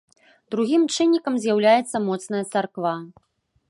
Другім чыннікам з'яўляецца моцная царква.